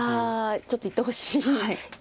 ちょっといってほしいです。